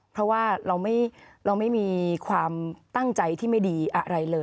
ขอบคุณครับ